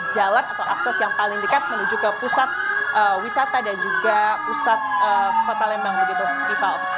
jalan atau akses yang paling dekat menuju ke pusat wisata dan juga pusat kota lembang begitu rival